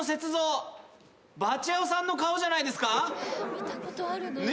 見たことあるね。